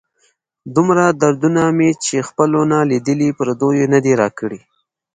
دومره دردونه مې چې خپلو نه لیدلي، پردیو نه دي را کړي.